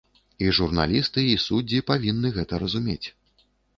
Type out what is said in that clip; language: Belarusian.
І журналісты, і суддзі павінны гэта разумець.